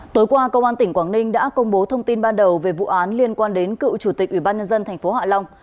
tối qua công an tỉnh quảng ninh đã công bố thông tin ban đầu về vụ án liên quan đến cựu chủ tịch ubnd tp hạ long